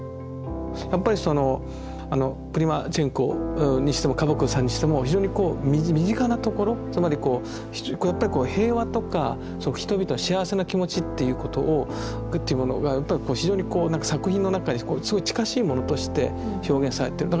やっぱりあのプリマチェンコにしてもカバコフさんにしても非常にこう身近なところつまりこうやっぱり平和とか人々の幸せな気持ちっていうものが非常にこう作品の中にすごい近しいものとして表現されてる。